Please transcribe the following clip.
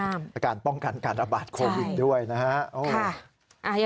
แล้วก็ต้องมีอาการป้องกันการอบาดโควิดด้วยนะฮะ